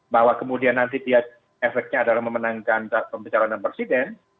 bahwa kemudian nanti dia efeknya adalah memenangkan pembicaraan presiden